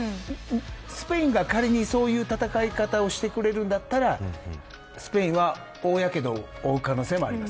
スペインが仮にそういう戦い方をしてくれるならスペインは大やけどを負う可能性もあります。